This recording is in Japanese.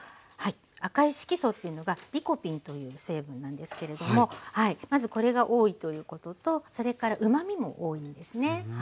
赤い色素というのがリコピンという成分なんですけれどもまずこれが多いということとそれからうまみも多いんですね。